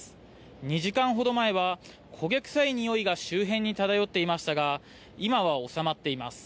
２時間ほど前は焦げ臭いにおいが周辺に漂っていましたが今は収まっています。